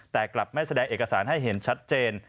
แต่กลับไม่แสดงเอกสารให้เห็นชัดเจน